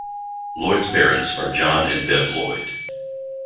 Lloyd's parents are John and Bev Lloyd.